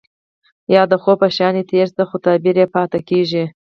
يا د خوب په شانې تير شي خو تعبير يې پاتې کيږي.